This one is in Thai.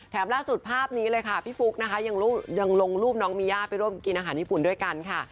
ล่าสุดภาพนี้เลยค่ะพี่ฟุ๊กนะคะยังลงรูปน้องมีย่าไปร่วมกินอาหารญี่ปุ่นด้วยกันค่ะ